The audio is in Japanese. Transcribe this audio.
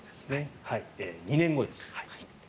２年後です。